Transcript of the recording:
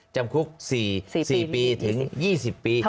จำคุก๔ปีถึง๒๐ปี